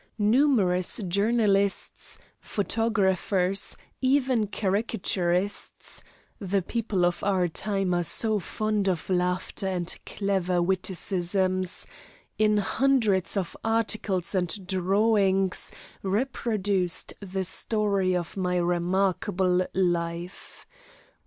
Numerous journalists, photographers, even caricaturists (the people of our time are so fond of laughter and clever witticisms), in hundreds of articles and drawings reproduced the story of my remarkable life.